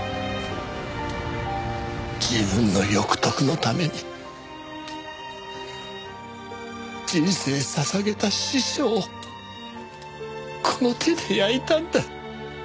自分の欲得のために人生捧げた師匠をこの手で焼いたんだ。